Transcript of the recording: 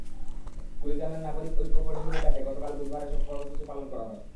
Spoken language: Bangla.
কুড়িগ্রামের নাগরিক ঐক্য পরিষদের ডাকে গতকাল বুধবার এসব কর্মসূচি পালন করা হয়।